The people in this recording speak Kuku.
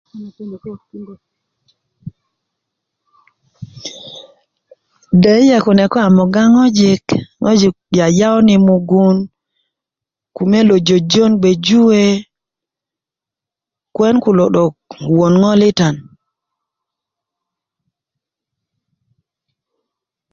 deyiye kune ko a moga ŋojik ŋojik yayawun mugun kume lo jojon bge juwe kuwen kulo 'dok won ŋolitan